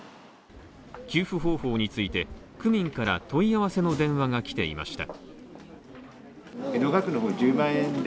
給付方法について、区民から問い合わせの電話が来ていました。